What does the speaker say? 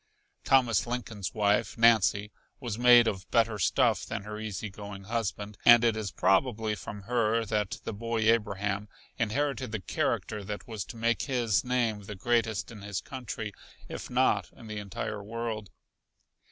Thomas Lincoln's wife, Nancy, was made of better stuff than her easy going husband, and it is probably from her that the boy Abraham inherited the character that was to make his name the greatest in his country, if not in the entire world.